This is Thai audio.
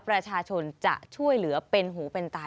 ประชาชนจะช่วยเหลือเป็นหูเป็นตา